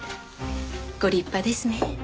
ご立派ですねえ。